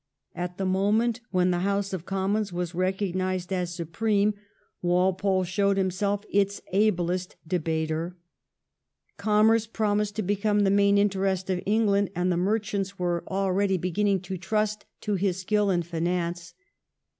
At the moment when the House of Commons was recog nised as supreme, Walpole showed himself its ablest debater. Commerce promised to become the main interest of England, and the merchants were already VOL. II. Q 226 THE REIGN OF QUEEN ANNE. ch. xxxi. beginning to trust to his skill in finance.